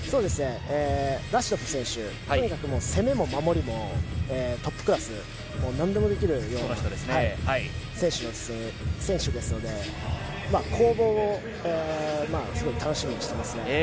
ラシドフ選手は攻めも守りもトップクラスなんでもできるような選手ですので攻防をすごい楽しみにしていますね。